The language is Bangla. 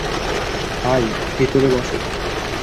ভাই, ভিতরে বসো।